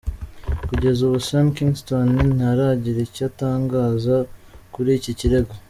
Kugeza ubu Sean Kingston ntaragira icyo atangaza kuri iki kirego.